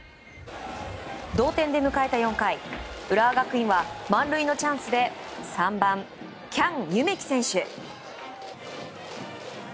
同点で迎えた４回浦和学院は満塁のチャンスで３番、喜屋武夢咲選手。